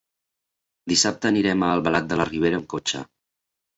Dissabte anirem a Albalat de la Ribera amb cotxe.